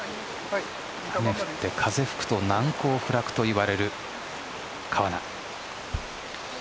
雨降って風吹くと難攻不落といわれる川奈。